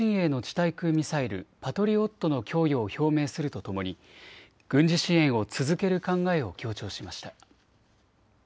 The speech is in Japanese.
対空ミサイルパトリオットの供与を表明するとともに軍事支援を続ける考えを強調しました。